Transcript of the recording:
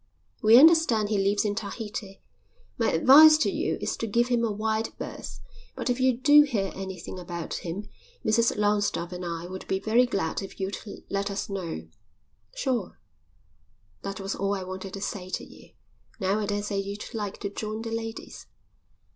We understand he lives in Tahiti. My advice to you is to give him a wide berth, but if you do hear anything about him Mrs Longstaffe and I would be very glad if you'd let us know." "Sure." "That was all I wanted to say to you. Now I daresay you'd like to join the ladies."